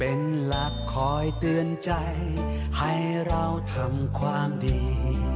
เป็นหลักคอยเตือนใจให้เราทำความดี